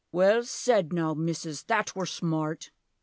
Well said now Missus! That were smart!